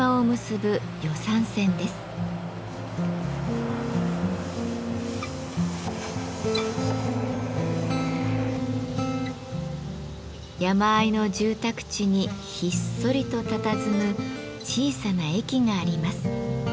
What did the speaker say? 山あいの住宅地にひっそりとたたずむ小さな駅があります。